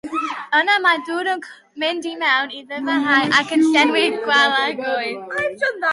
Yna mae dŵr yn mynd i mewn i'r ddyfrhaen ac yn llenwi'r gwagleoedd.